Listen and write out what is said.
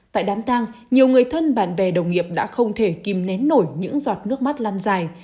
tại đám tang nhiều người thân bạn bè đồng nghiệp đã không thể kìm nén nổi những giọt nước mắt lan dài